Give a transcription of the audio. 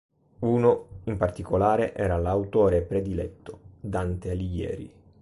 Uno, in particolare, era l'autore prediletto: Dante Alighieri.